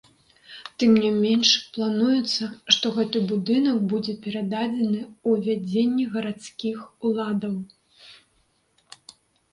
Тым не менш, плануецца, што гэты будынак будзе перададзены ў вядзенне гарадскіх уладаў.